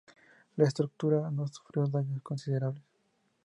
La estructura no sufrió daños considerables.